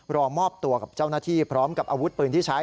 รอมอบตัวกับเจ้าหน้าที่พร้อมกับอาวุธปืนที่ใช้